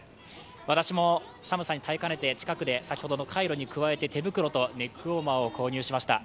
私も寒さに耐えかねて近くで先ほどのカイロに加えて手袋とネックウォーマーを購入しました。